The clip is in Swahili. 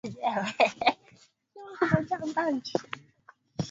Utafiti umeanza kuonyesha zaidi na zaidi kwamba usafi bado changamoto